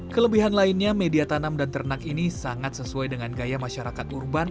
kelebihan lainnya media tanam dan ternak ini sangat sesuai dengan gaya masyarakat urban